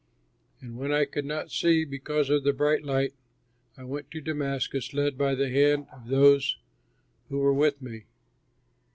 And when I could not see because of the bright light, I went to Damascus, led by the hand of those who were with me.